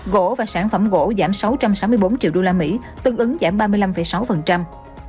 gỗ và sản phẩm gỗ giảm sáu trăm sáu mươi bốn triệu usd tương ứng giảm ba mươi năm sáu